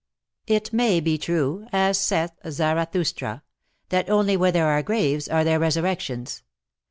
It may be true, "as saith Zarathustra," that "only where there are graves are there resur rections."